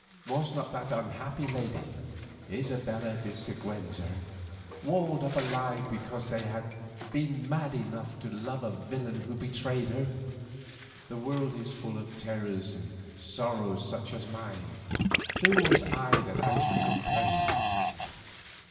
Was not that unhappy lady, Isabella de Siguenza, walled up alive because she had been mad enough to love a villain who betrayed her? The world is full of terrors and sorrows such as mine, who was I that I should complain?